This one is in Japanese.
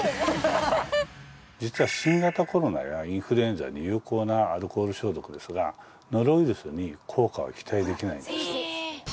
実は新型コロナやインフルエンザに有効なアルコール消毒ですがノロウイルスに効果は期待できないんです